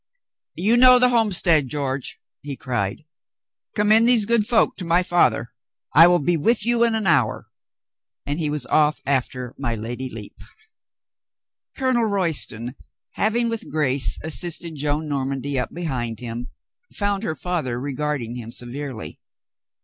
"You know the homestead, George," he cried. "Commend these good folk to my father. I will be with you in an hour," and he was off after my Lady Lepe. Colonel Royston, having with grace assisted Joan Normandy up behind him, found her father regard ing him severely.